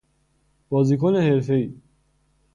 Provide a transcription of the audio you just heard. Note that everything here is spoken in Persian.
بازیکن حرفه ای